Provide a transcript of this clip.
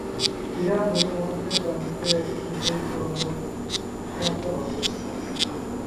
ইহা হরিমোহনকে জানিতে দিতে পুরন্দরের কিছুমাত্র লজ্জা ছিল না।